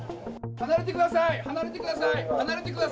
離れてください。